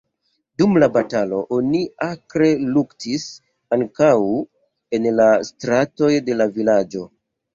Dum la batalo oni akre luktis ankaŭ en la stratoj de la vilaĝo.